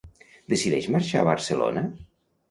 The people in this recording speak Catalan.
Decideix marxar a Barcelona?